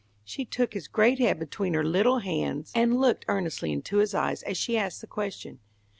She took his great head between her little hands and looked earnestly into his eyes as she asked the question.